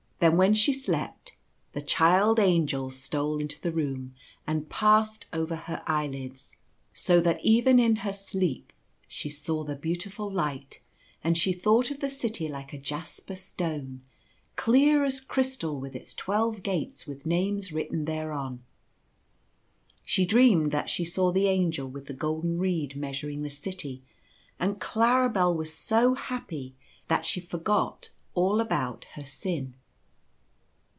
Then when she slept, the Child Angel stole into the room and passed over her eyelids, so that even in her I The Doom of a Liar. '3 1 sleep she saw the beautiful light, and she thought of the City like a jasper stone, clear as crystal, with its twelve gates with names written thereon. She dreamed that she saw the Angel with the golden reed measuring the city, and Claribel was so happy that she forgot all about her sin.